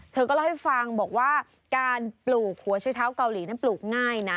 เธอก็เล่าให้ฟังบอกว่าการปลูกหัวใช้เท้าเกาหลีนั้นปลูกง่ายนะ